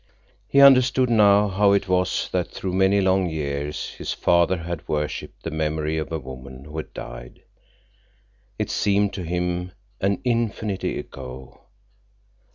He understood, now, how it was that through many long years his father had worshiped the memory of a woman who had died, it seemed to him, an infinity ago.